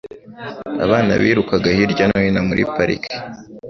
Abana birukaga hirya no hino muri parike